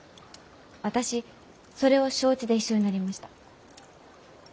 私それを承知で一緒になりました。